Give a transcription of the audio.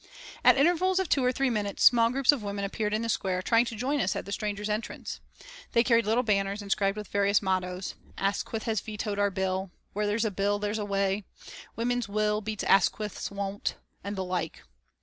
At intervals of two or three minutes small groups of women appeared in the square, trying to join us at the Strangers' Entrance. They carried little banners inscribed with various mottoes, "Asquith Has Vetoed Our Bill," "Where There's a Bill There's a Way," "Women's Will Beats Asquith's Won't," and the like.